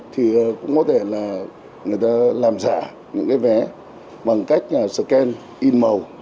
thì cũng có thể là người ta làm giả những cái vé bằng cách scan in màu